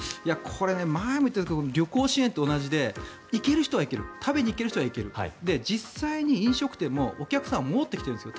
これね、前も言いましたが旅行支援と一緒で行ける人は行ける食べにいける人は行ける実際に飲食店もお客さんが戻ってきているんです。